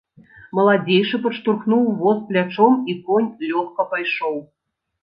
Маладзейшы падштурхнуў воз плячом, і конь лёгка пайшоў.